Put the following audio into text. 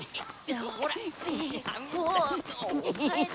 ほら。